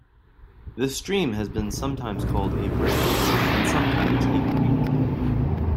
The stream has been sometimes called a river and sometimes a creek.